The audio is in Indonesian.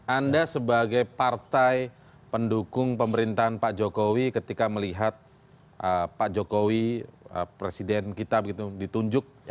anda sebagai partai pendukung pemerintahan pak jokowi ketika melihat pak jokowi presiden kita begitu ditunjuk